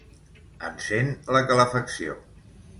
Encén la calefacció.